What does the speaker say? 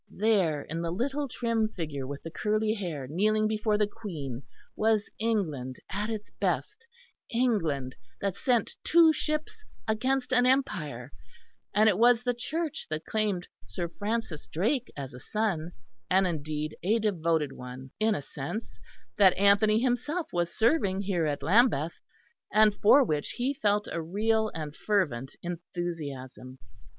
There in the little trim figure with the curly hair kneeling before the Queen was England at its best England that sent two ships against an empire; and it was the Church that claimed Sir Francis Drake as a son, and indeed a devoted one, in a sense, that Anthony himself was serving here at Lambeth, and for which he felt a real and fervent enthusiasm.